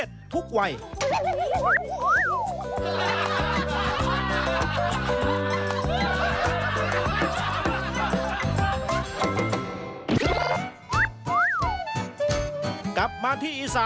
จะแต่งหนักสิ